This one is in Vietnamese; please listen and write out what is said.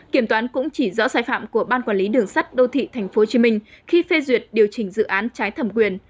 kiểm toán cũng chỉ rõ sai phạm của ban quản lý đường sắt đô thị tp hcm khi phê duyệt điều chỉnh dự án trái thẩm quyền